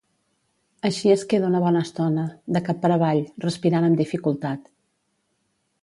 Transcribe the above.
Així es queda una bona estona, de cap per avall, respirant amb dificultat.